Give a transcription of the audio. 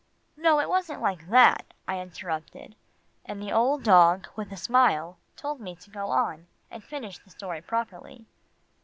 "No, it wasn't like that," I interrupted, and the old dog, with a smile, told me to go on, and finish the story properly.